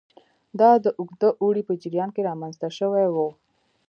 دا د اوږده اوړي په جریان کې رامنځته شوي وو